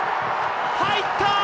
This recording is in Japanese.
入った！